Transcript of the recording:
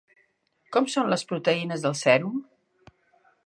Com són les proteïnes del sèrum?